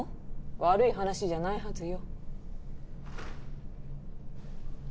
悪い話じゃないはずよ。